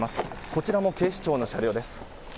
こちらも警視庁の車両です。